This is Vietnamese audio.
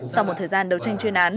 sau một thời gian đấu tranh chuyên án